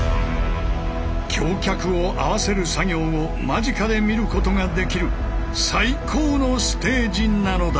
橋脚を合わせる作業を間近で見ることができる最高のステージなのだ！